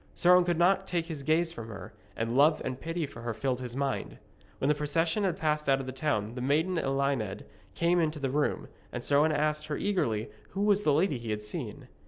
Sir Owen could not take his gaze from her, and love and pity for her filled his mind. When the procession had passed out of the town the maiden Elined came into the room, and Sir Owen asked her eagerly who was the lady he had seen.